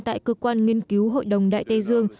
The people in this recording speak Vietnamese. tại cơ quan nghiên cứu hội đồng đại tây dương